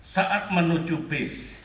saat menuju bis